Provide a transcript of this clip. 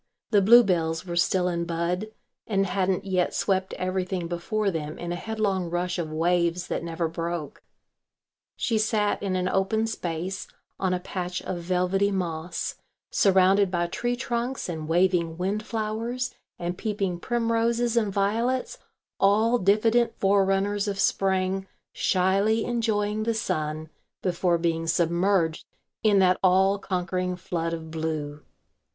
The bluebells were still in bud and hadn't yet swept everything before them in a headlong rush of waves that never broke. She sat in an open space on a patch of velvety moss, surrounded by tree trunks and waving windflowers and peeping primroses and violets, all diffident forerunners of Spring, shyly enjoying the sun before being submerged in that all conquering flood of blue.